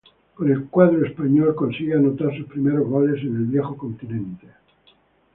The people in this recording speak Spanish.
Con el cuadro español consigue anotar sus primeros goles en el viejo continente.